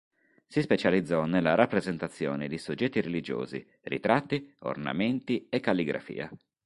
Si specializzò nella rappresentazione di soggetti religiosi, ritratti, ornamenti e calligrafia.